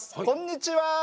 こんにちは。